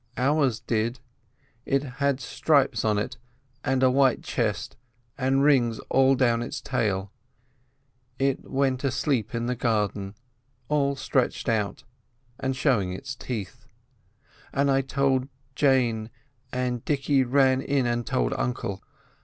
Ours did. It had stripes on it, and a white chest, and rings all down its tail. It went asleep in the garden, all stretched out, and showing its teeth; an' I told Jane, and Dicky ran in an' told uncle.